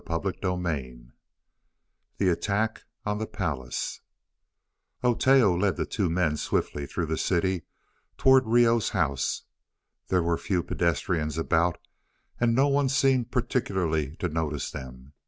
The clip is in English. CHAPTER XXVIII THE ATTACK ON THE PALACE Oteo led the two men swiftly through the city towards Reoh's house. There were few pedestrians about and no one seemed particularly to notice them.